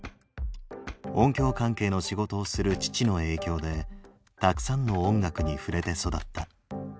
音響関係の仕事をする父の影響でたくさんの音楽に触れて育った。